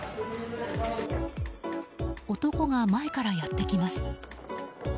男が前からやってきます。